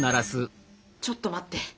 ちょっと待って！